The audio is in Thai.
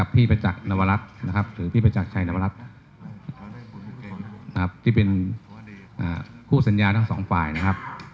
ที่เป็นคู่สัญญาทั้งสองฝ่ายนะครับ